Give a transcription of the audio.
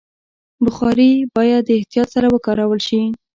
بخاري باید د احتیاط سره وکارول شي.